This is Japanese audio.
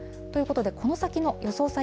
ということで、この先の予想